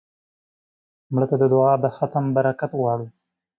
مړه ته د دعا د ختم برکت غواړو